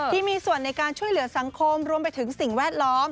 ที่มีส่วนในการช่วยเหลือสังคมรวมไปถึงสิ่งแวดล้อม